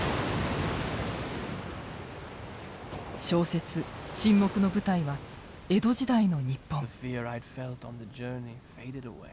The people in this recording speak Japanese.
小説「沈黙」の舞台は江戸時代の日本。